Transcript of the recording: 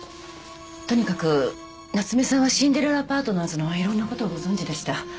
とにかく夏目さんはシンデレラパートナーズのいろんなことをご存じでした。